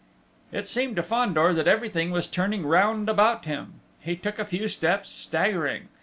] It seemed to Fandor that everything was turning round about him.... He took a few steps, staggering.